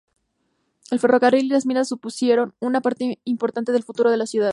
El ferrocarril y las minas supusieron una parte importante del futuro de la ciudad.